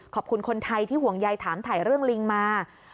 ขอบคุณคนไทยที่ห่วงใยถามถ่ายเรื่องลิงมา